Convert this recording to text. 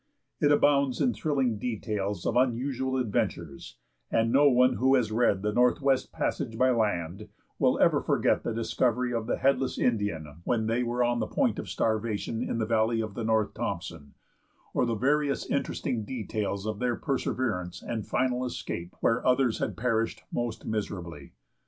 It abounds in thrilling details of unusual adventures, and no one who has read The Northwest Passage by Land will ever forget the discovery of the headless Indian when they were on the point of starvation in the valley of the North Thompson, or the various interesting details of their perseverance and final escape where others had perished most miserably.